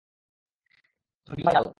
তো deal final?